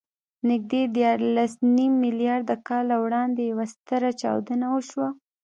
نږدې دیارلسنیم میلیارده کاله وړاندې یوه ستره چاودنه وشوه.